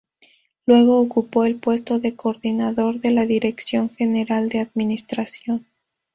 Luego ocupó el puesto de coordinador de la Dirección General de Administración.